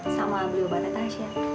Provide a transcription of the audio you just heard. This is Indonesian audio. sama beli obatnya tasya